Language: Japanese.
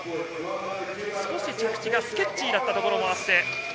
少し着地がスケッチーだったところもあって。